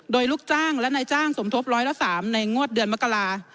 โดยลูกจ้างและนายจ้างสมทบร้อยละ๓ในงวดเดือนมกรา